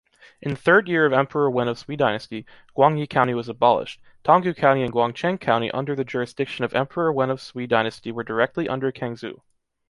In the third year of Emperor Wen of Sui Dynasty, Guangye county was abolished. Tonggu County and Guangchang county under the jurisdiction of Emperor Wen of Sui Dynasty were directly under Kangzhou.